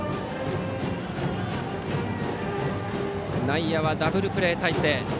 内野はダブルプレー態勢。